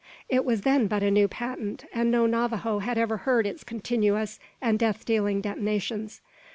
It was then but a new patent, and no Navajo had ever heard its continuous and death dealing detonations.